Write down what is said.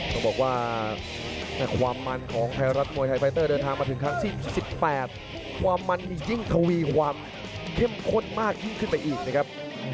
ต้องบอกว่าความมันของไทยรัฐมวยไทยไฟเตอร์เดินทางมาถึงครั้งที่๑๘ความมันนี่ยิ่งทวีความเข้มข้นมากยิ่งขึ้นไปอีกนะครับ